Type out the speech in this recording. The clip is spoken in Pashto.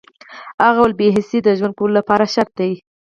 هغه وویل بې حسي د ژوند کولو لپاره شرط ده